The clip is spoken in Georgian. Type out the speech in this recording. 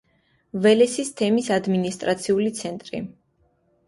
ველესის თემის ადმინისტრაციული ცენტრი.